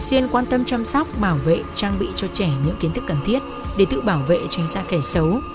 các bậc bảo vệ trang bị cho trẻ những kiến thức cần thiết để tự bảo vệ tránh ra kẻ xấu